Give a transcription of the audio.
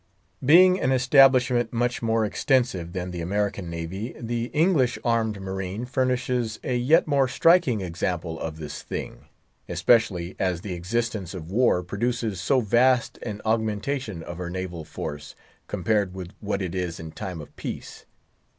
Being an establishment much more extensive than the American Navy, the English armed marine furnishes a yet more striking example of this thing, especially as the existence of war produces so vast an augmentation of her naval force compared with what it is in time of peace.